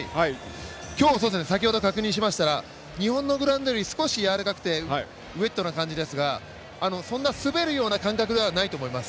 今日、確認しましたら日本のグラウンドより少しやわらかくてウエットな感じですがそんな滑るような感覚ではないと思います。